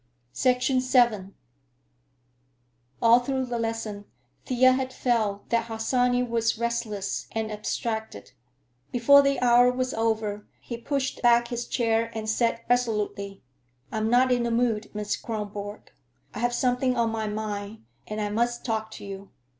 VII All through the lesson Thea had felt that Harsanyi was restless and abstracted. Before the hour was over, he pushed back his chair and said resolutely, "I am not in the mood, Miss Kronborg. I have something on my mind, and I must talk to you.